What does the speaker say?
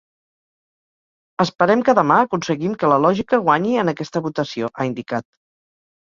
Esperem que demà aconseguim que la lògica guanyi en aquesta votació, ha indicat.